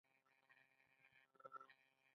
آیا وچکالي هلته یوه لویه ستونزه نه ده؟